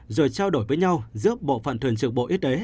rồi trao đổi với nhau giữa bộ phận thường trực bộ y tế